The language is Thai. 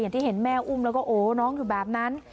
ที่เห็นแม่อุ้มแล้วก็โอ้น้องอยู่แบบนั้น